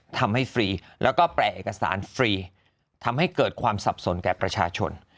ฟรีแล้วก็แปลเอกสารฟรีทำให้เกิดความสับสนแก่ประชาชน